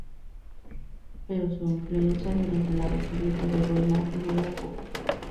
Pero su influencia durante la República de Weimar no era poco.